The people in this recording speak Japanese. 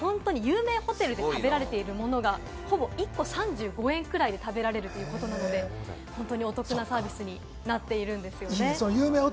これ本当に有名ホテルで食べられているものが、ほぼ１個３５円ぐらいで食べられるということなので、本当にお得なサービスになっているんですよね。